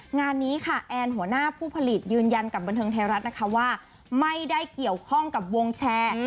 งานนี้ค่ะแอนหัวหน้าผู้ผลิตยืนยันกับบันเทิงไทยรัฐนะคะว่าไม่ได้เกี่ยวข้องกับวงแชร์